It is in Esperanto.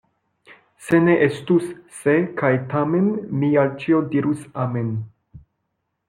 Se ne estus "se" kaj "tamen", mi al ĉio dirus amen.